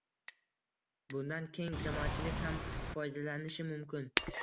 Bundan keng jamoatchilik ham foydalanishi mumkin.